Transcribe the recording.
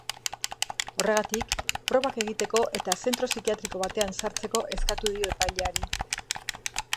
Horregatik, probak egiteko eta zentro psikiatriko batean sartzeko eskatu dio epaileari.